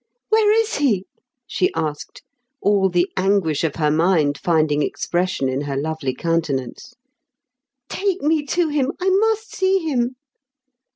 " Where is he ?" she asked, all the anguish of her mind finding expression in her lovely coimtenance. " Take me to him ; I must see him."